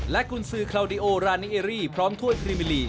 กุญสือคลาวดิโอรานิเอรี่พร้อมถ้วยพรีมิลี